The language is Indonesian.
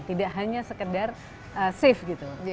tidak hanya sekedar safe gitu